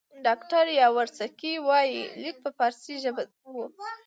ډاکټر یاورسکي وایي لیک په فارسي ژبه وو.